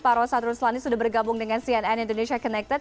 pak rosan ruslani sudah bergabung dengan cnn indonesia connected